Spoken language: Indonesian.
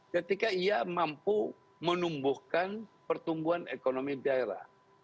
ketika ia mampu menumbuhkan pertumbuhan ekonomi daerah